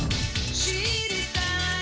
知りたい」